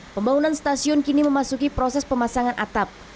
pembangunan stasiun kini memasuki proses pemasangan atap